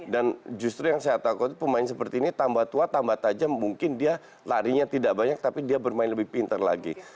dan justru yang saya takut pemain seperti ini tambah tua tambah tajam mungkin dia larinya tidak banyak tapi dia bermain lebih pintar lagi